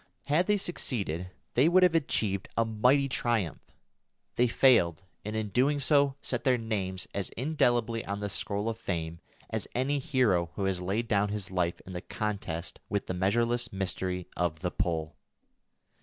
Had they succeeded, they would have achieved a mighty triumph; they failed, and in doing so set their names as indelibly on the scroll of Fame as any hero who has laid down his life in the contest with the measureless mystery of the Pole.